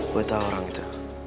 gue tau orang itu